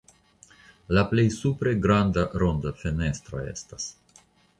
La plej supre granda ronda fenestro estas.